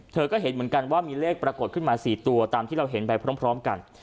เธอก็เห็นเหมือนกันว่ามีเลขปรากฏขึ้นมา๔ตัวตามที่เราเห็นไปพร้อมกัน